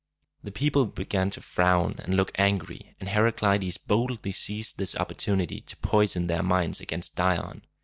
The people began to frown and look angry, and Heraclides boldly seized this opportunity to poison their minds against Dion.